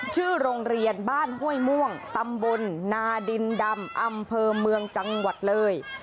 ชื่อโรงเรียนบ้านห้วยม่วงตำบลนาดินดำอำเภอเมืองจังหวัดเลย